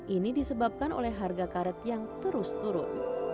ini disebabkan oleh harga karet yang terus turun